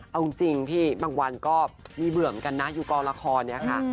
เอาจริงพี่บางวันก็มีเบื่อเหมือนกันนะอยู่กองละครเนี่ยค่ะ